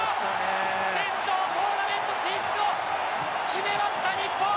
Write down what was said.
決勝トーナメント進出を決めました日本。